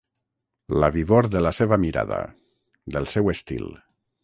La vivor de la seva mirada, del seu estil.